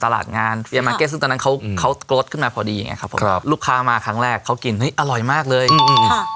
แล้วเรามีความรู้เรื่องการค้าขายอะไรบ้างไหมอะครับ